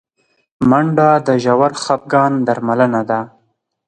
منډه د ژور خفګان درملنه ده